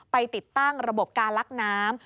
ติดตั้งระบบการลักน้ำ